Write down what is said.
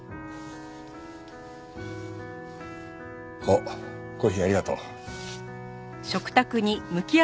おっコーヒーありがとう。